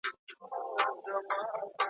شیخه زما یې ژبه حق ویلو ته تراشلې ده .